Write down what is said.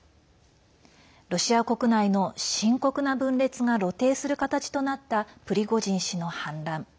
ロシア国内の深刻な分裂が露呈する形となったプリゴジン氏の反乱。